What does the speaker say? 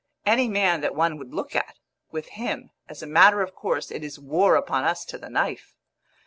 Any man that one would look at with him, as a matter of course, it is war upon us to the knife.